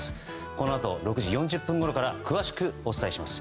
このあと６時４０分ごろから詳しくお伝えします。